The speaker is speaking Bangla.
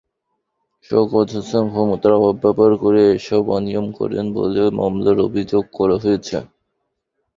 শওকত হোসেন ক্ষমতার অপব্যবহার করে এসব অনিয়ম করেন বলে মামলায় অভিযোগ করা হয়েছে।